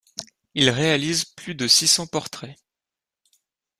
Il réalise plus de six cents portraits.